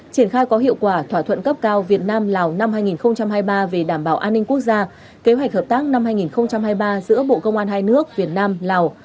triển khai có hiệu quả thỏa thuận cấp cao việt nam lào năm hai nghìn hai mươi ba về đảm bảo an ninh quốc gia kế hoạch hợp tác năm hai nghìn hai mươi ba giữa bộ công an hai nước việt nam lào